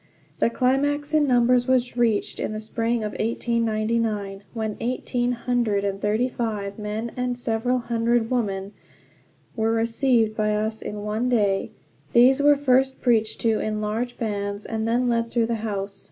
The climax in numbers was reached in the spring of 1899, when eighteen hundred and thirty five men and several hundred women were received by us in one day. These were first preached to in large bands, and then led through the house.